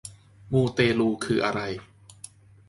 มูเตลูคืออะไร